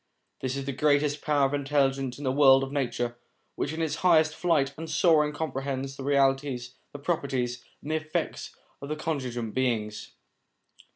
This is the greatest power of intelligence in the world of nature, which in its highest flight and soaring comprehends the realities, the properties, and the effects of the contingent beings.